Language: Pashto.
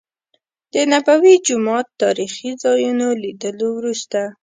د نبوي جومات تاريخي ځا يونو لیدلو وروسته.